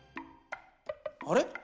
あれ？